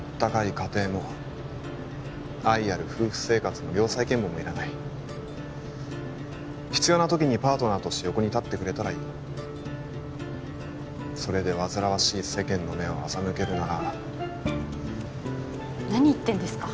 家庭も愛ある夫婦生活も良妻賢母もいらない必要な時にパートナーとして横に立ってくれたらいいそれで煩わしい世間の目を欺けるなら何言ってんですか？